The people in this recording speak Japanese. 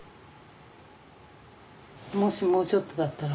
もしもうちょっとだったら。